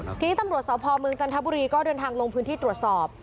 ทีนี้ตำรวจสพเมืองจันทบุรีก็เดินทางลงพื้นที่ตรวจสอบ